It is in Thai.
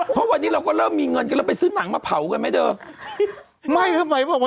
เพราะวันนี้เราก็เริ่มมีเงินแล้วเราไปซื้อหนังมาเผากันไหมเธอ